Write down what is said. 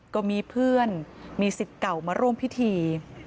ก็มีเพื่อนมีสิทธิ์เก่ามาร่วมพิธี